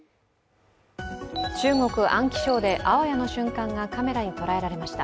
中国・安徽省であわやの瞬間がカメラに捉えられました。